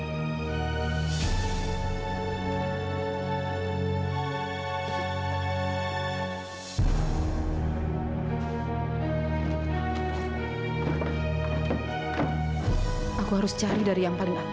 dan gak bakalan ada orang yang lihat